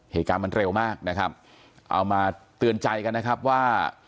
เหตุการณ์มันเร็วมากนะครับเอามาเตือนใจกันนะครับว่า